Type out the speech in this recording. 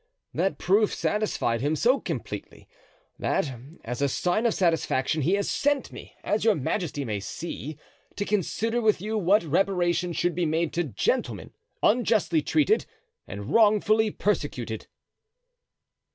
That proof satisfied him so completely that, as a sign of satisfaction, he has sent me, as your majesty may see, to consider with you what reparation should be made to gentlemen unjustly treated and wrongfully persecuted."